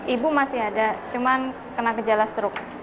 ibu masih ada cuman kena gejala struk